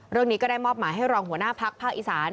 เรื่องนี้ก็ได้มอบหมายให้รองหัวหน้าพักภาคอีสาน